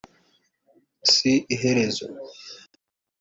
Si Iherezo